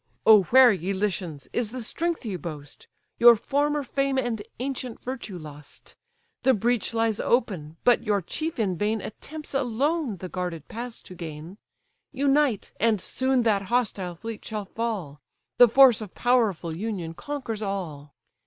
"O where, ye Lycians, is the strength you boast? Your former fame and ancient virtue lost! The breach lies open, but your chief in vain Attempts alone the guarded pass to gain: Unite, and soon that hostile fleet shall fall: The force of powerful union conquers all."